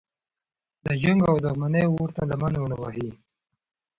د جنګ او دښمنۍ اور ته لمن ونه وهي.